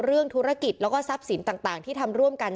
เรื่องธุรกิจแล้วก็ทรัพย์สินต่างที่ทำร่วมกัน